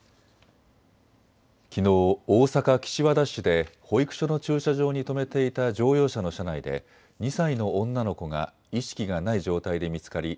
きのう、大阪岸和田市で保育所の駐車場に止めていた乗用車の車内で２歳の女の子が意識がない状態で見つかり